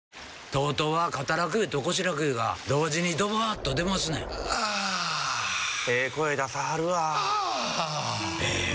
ＴＯＴＯは肩楽湯と腰楽湯が同時にドバーッと出ますねんあええ声出さはるわあええ